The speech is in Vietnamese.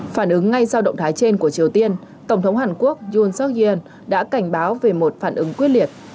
phản ứng ngay sau động thái trên của triều tiên tổng thống hàn quốc yoon seok yoon đã cảnh báo về một phản ứng quyết liệt